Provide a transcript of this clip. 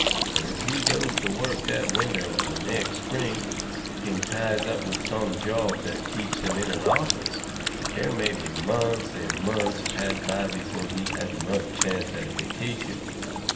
Fur if he goes to work that winter or the next spring, and ties up with some job that keeps him in an office, there may be months and months pass by before he has another chance at a vacation.